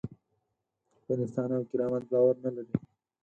پر انسان او کرامت باور نه لري.